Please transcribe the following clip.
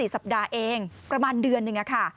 สัปดาห์เองประมาณเดือนหนึ่งค่ะ